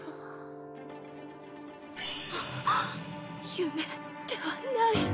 夢ではない？